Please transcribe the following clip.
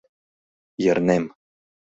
Йырнем...